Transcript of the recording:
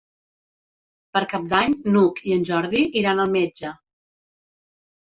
Per Cap d'Any n'Hug i en Jordi iran al metge.